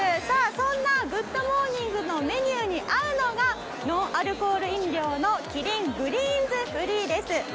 そんな「グッド！モーニング」のメニューに合うのがノンアルコール飲料のキリングリーンズフリーです。